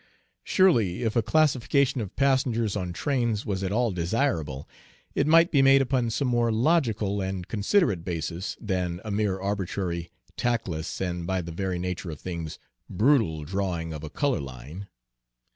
Surely, if a classification of passengers on trains was at all desirable, it might be made upon some more logical and considerate basis than a mere arbitrary, tactless, and, by the very nature of things, brutal drawing of a color line.